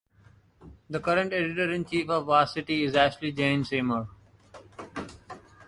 The current Editor-in-Chief of Varsity is Ashley Jane Seymour.